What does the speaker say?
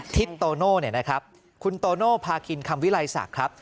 ทิศโตโนคุณโตโนพากินคำวิไรศักดิ์ครับ